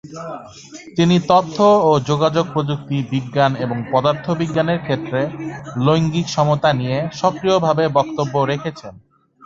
তিনি তথ্য ও যোগাযোগ প্রযুক্তি, বিজ্ঞান, এবং পদার্থবিজ্ঞানের ক্ষেত্রে লৈঙ্গিক সমতা নিয়ে সক্রিয়ভাবে বক্তব্য রেখেছেন।